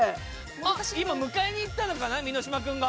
あっ今迎えに行ったのかな箕島君が。